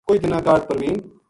کُجھ دِناں کاہڈ پروین